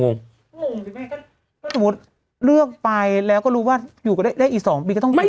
งงสิแม่ก็สมมุติเลือกไปแล้วก็รู้ว่าอยู่กว่าเลขอีก๒ปีก็ต้องผลลง